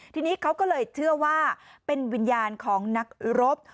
ทีนี้เขาก็เลยเชื่อว่าเป็นวิญญาณของนักรบ